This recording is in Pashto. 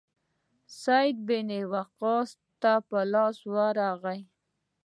سعد بن وقاص ته په لاس ورغی.